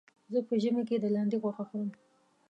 زه په ژمي کې د لاندې غوښه خورم.